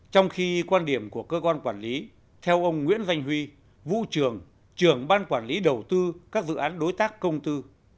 trong khi quan điểm của cơ quan quản lý theo ông nguyễn danh huy vũ trường trưởng ban quản lý đầu tư các dự án đối tác công tư